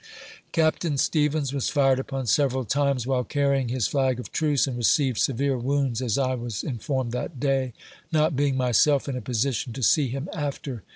Capt. Stevens was fired upon several times while carrying his flag of truce, and received severe wounds, as I was in formed that day, not being myself in a position to see him after.